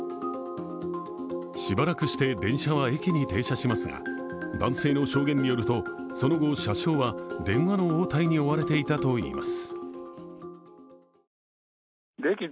しばらくして電車は駅に停車しますが、男性の証言によると、その後、車掌は電話の応対に追われていたといいます。